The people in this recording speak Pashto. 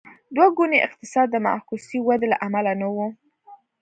دوه ګونی اقتصاد د معکوسې ودې له امله نه و.